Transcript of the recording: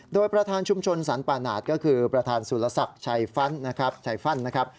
โดยประธานชุมชนสรรปาณาฏก็คือประธานสุรศักดิ์ชัยฟันนะครับ